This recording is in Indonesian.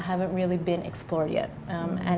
yang belum pernah diperlihatkan